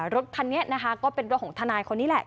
รถคันนี้นะคะก็เป็นรถของทนายคนนี้แหละ